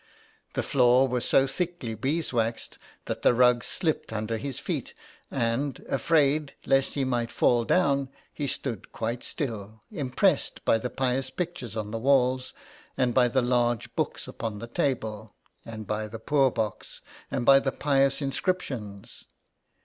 The floor was so thickly bees waxed that the rug slipped under his feet, and, afraid lest he might fall down, he stood quite still, impressed by the pious pictures on the walls, and by the large books upon the table, and by the poor box, and by the pious inscriptions.